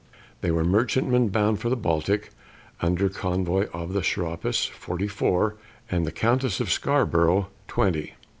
They were merchantmen bound for the Baltic under convoy of the Serapis, forty four, and the Countess of Scarborough, twenty.